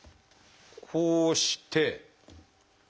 こうして。